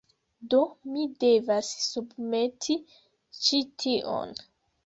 Do, mi devas submeti ĉi tion